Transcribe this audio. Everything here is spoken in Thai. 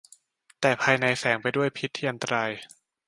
แต่ภายในแฝงไปด้วยพิษที่อันตราย